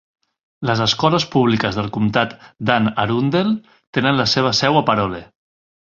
Les escoles públiques del comtat d'Anne Arundel tenen la seva seu a Parole.